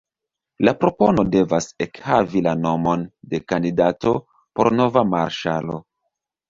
La propono devas ekhavi la nomon de kandidato por nova marŝalo.